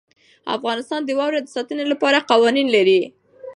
افغانستان د واوره د ساتنې لپاره قوانین لري.